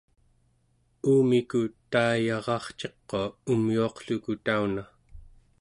uumiku taiyara'arciqua umyuaqluku tauna